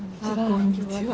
こんにちは。